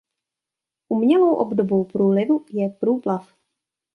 Umělou obdobou průlivu je průplav.